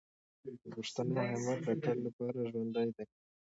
د پښتنو همت د تل لپاره ژوندی دی.